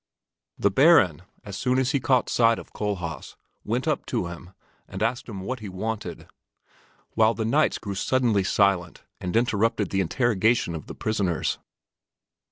The Baron, as soon as he caught sight of Kohlhaas, went up to him and asked him what he wanted, while the knights grew suddenly silent and interrupted the interrogation of the prisoners.